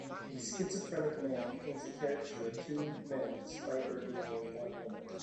A schizophrenic man paints a caricature of two men despite there being only one woman